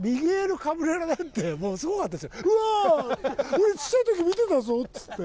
俺ちっちゃい時見てたぞ」っつって。